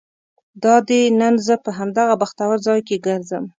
دادی نن زه په همدغه بختور ځای کې ګرځم.